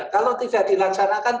kalau tidak dilaksanakan bagaimana